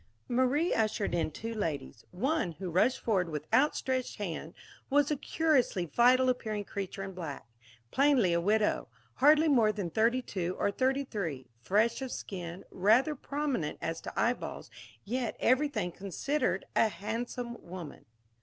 Marie ushered in two ladies. One, who rushed forward with outstretched hand, was a curiously vital appearing creature in black plainly a widow hardly more than thirty two or thirty three, fresh of skin, rather prominent as to eyeballs, yet, everything considered, a handsome woman.